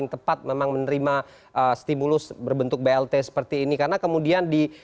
terima kasih bang dhani